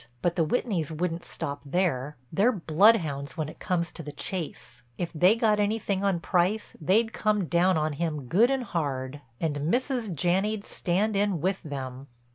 But the Whitneys wouldn't stop there—they're bloodhounds when it comes to the chase. If they got anything on Price they'd come down on him good and hard and Mrs. Janney'd stand in with them."